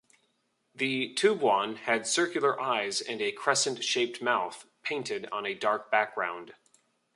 The "tubuan" had circular eyes and a crescent-shaped mouth painted on a dark background.